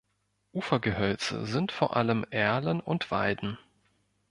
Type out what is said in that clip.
Ufergehölze sind vor allem Erlen und Weiden.